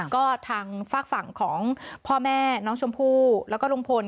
ก็ทางฝากฝั่งของพ่อแม่น้องชมพู่แล้วก็ลุงพล